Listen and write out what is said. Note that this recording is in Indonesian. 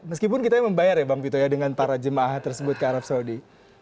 meskipun kita membayar ya bang vito ya dengan para jemaah tersebut ke arab saudi